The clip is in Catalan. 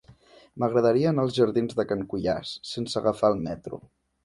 M'agradaria anar als jardins de Can Cuiàs sense agafar el metro.